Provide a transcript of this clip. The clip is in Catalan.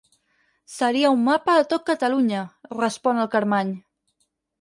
Seria un mapa de tot Catalunya —respon el Carmany—.